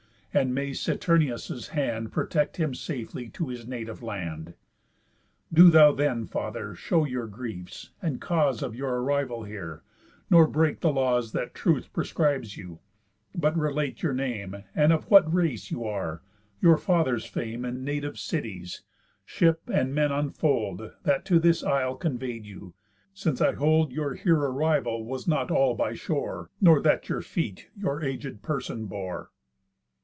And may Saturnius' hand Protect him safely to his native land. Do thou then, father, show your griefs, and cause Of your arrival here; nor break the laws That truth prescribes you, but relate your name, And of what race you are, your father's fame, And native city's; ship and men unfold, That to this isle convey'd you, since I hold Your here arrival was not all by shore, Nor that your feet your agéd person bore."